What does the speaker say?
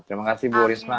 terima kasih bu risma